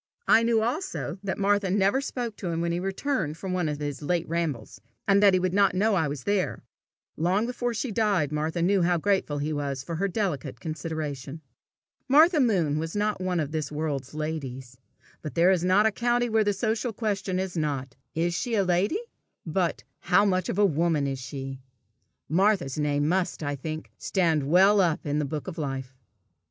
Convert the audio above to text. I knew also that Martha never spoke to him when he returned from one of his late rambles, and that he would not know I was there: long before she died Martha knew how grateful he was for her delicate consideration. Martha Moon was not one of this world's ladies; but there is a country where the social question is not, "Is she a lady?" but, "How much of a woman is she?" Martha's name must, I think, stand well up in the book of life.